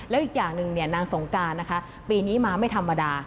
แล้วอีกอย่างหนึ่งนางสงการนะคะปีนี้มาไม่ธรรมดา